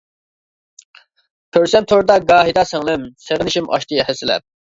كۆرسەم توردا گاھىدا سىڭلىم، سېغىنىشىم ئاشتى ھەسسىلەپ.